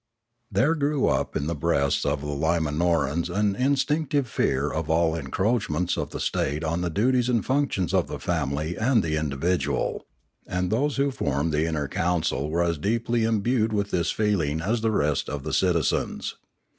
There grew up in the breasts of the Limanorans an 524 Limanora instinctive fear of all encroachments of the state on the duties and functions of the family and the individual; and those who formed the inner council were as deeply imbued with this feeling as the rest of the citizens.